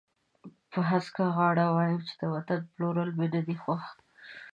په هسکه غاړه وایم چې د وطن پلورل مې نه دي خوښ.